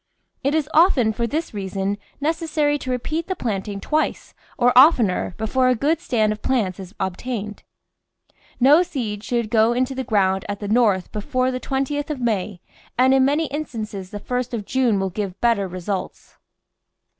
It is often, for this reason, necessary to repeat the planting twice or oftener before a good stand of plants is obtained. No seed should go into the ground at the North before the twentieth of May, and in many instances the first of June will give better results.